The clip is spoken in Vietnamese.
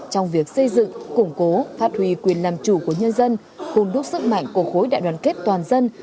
trong việc xây dựng củng cố phát huy quyền làm chủ của nhân dân hôn đúc sức mạnh của khối đại đoàn kết toàn dân